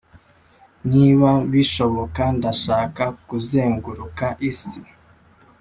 niba bishoboka, ndashaka kuzenguruka isi.